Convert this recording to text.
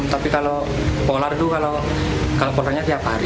tapi kalau polar tuh kalau polarnya tiap hari